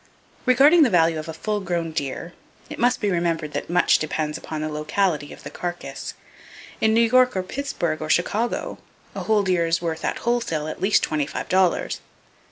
Regarding the value of a full grown deer, it must be remembered that much depends upon the locality of the carcass. In New York or Pittsburg or Chicago, a whole deer is worth, at wholesale, at least twenty five dollars.